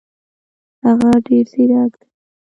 هغه ډېر زیرک دی.